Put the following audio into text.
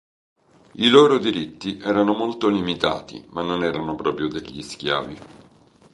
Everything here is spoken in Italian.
I loro diritti erano molto limitati, ma non erano proprio degli schiavi.